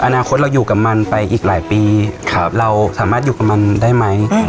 อนาคตเราอยู่กับมันไปอีกหลายปีเราสามารถอยู่กับมันได้ไหม